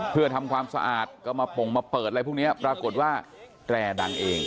เพื่อทำความสะอาดก็มาปงมาเปิดอะไรพวกนี้ปรากฏว่าแตรดังเอง